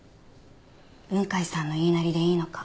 雲海さんの言いなりでいいのか。